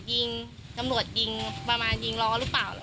ยิงตำรวจยิงประมาณยิงล้อหรือเปล่า